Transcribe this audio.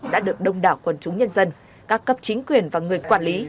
đã được đông đảo quần chúng nhân dân các cấp chính quyền và người quản lý